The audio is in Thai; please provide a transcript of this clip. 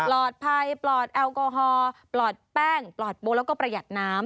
ปลอดภัยปลอดแอลกอฮอลปลอดแป้งปลอดโบแล้วก็ประหยัดน้ำ